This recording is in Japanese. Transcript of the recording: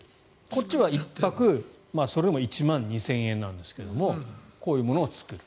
こっちは１泊それでも１万２０００円ですがこういうものを作る。